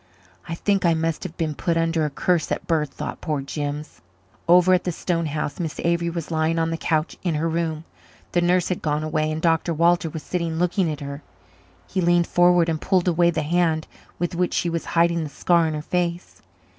"I think I must have been put under a curse at birth," thought poor Jims. Over at the stone house Miss Avery was lying on the couch in her room. The nurse had gone away and Dr. Walter was sitting looking at her. He leaned forward and pulled away the hand with which she was hiding the scar on her face.